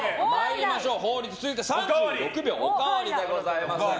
法律、３６秒おかわりでございます。